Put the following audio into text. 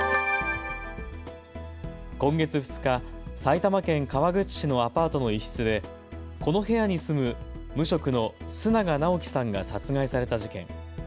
今月２日、埼玉県川口市のアパートの一室でこの部屋に住む無職の須永尚樹さんが殺害された事件。